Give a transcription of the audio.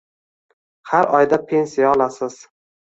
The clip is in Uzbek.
Har oy pensiya olasiz.